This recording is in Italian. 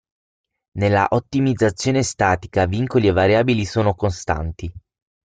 Nella ottimizzazione statica vincoli e variabili sono costanti.